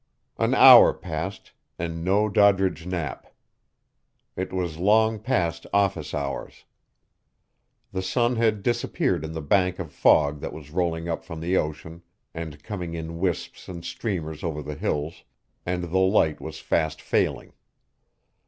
An hour passed, and no Doddridge Knapp. It was long past office hours. The sun had disappeared in the bank of fog that was rolling up from the ocean and coming in wisps and streamers over the hills, and the light was fast failing.